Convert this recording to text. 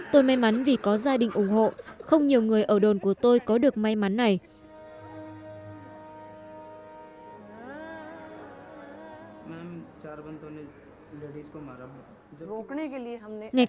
tôi may mắn vì có gia đình ủng hộ không nhiều người ở đồn của tôi có được may mắn này